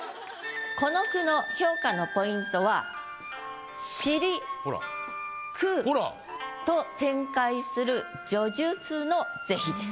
この句の評価のポイントは「知り」「食う」と展開する叙述の是非です。